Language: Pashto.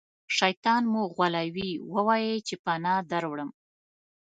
شیطان مو غولوي ووایئ چې پناه دروړم.